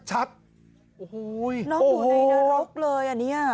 น้องอยู่ในนรกเลยอ่ะเนี่ย